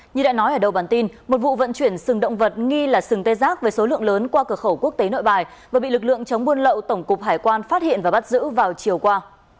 như đã nói ở đầu bản tin một vụ vận chuyển sừng động vật nghi là sừng tê giác với số lượng lớn qua cửa khẩu quốc tế nội bài và bị lực lượng chống buôn lậu tổng cục hải quan phát hiện và bắt giữ vào chiều qua